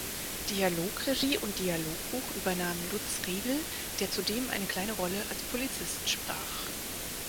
Dialogregie und Dialogbuch übernahm Lutz Riedel, der zudem eine kleine Rolle als Polizist sprach.